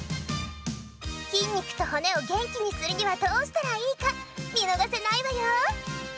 筋肉と骨をげんきにするにはどうしたらいいかみのがせないわよ！